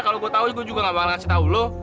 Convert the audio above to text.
kalau gue tahu gue juga gak bakal ngasih tau lo